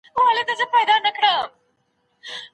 که د يوې ميرمني نوم په قرعه کي راووت نو څه به کيږي؟